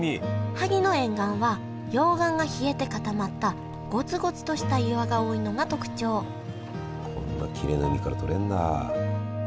萩の沿岸は溶岩が冷えて固まったごつごつとした岩が多いのが特徴こんなきれいな海から採れんだ。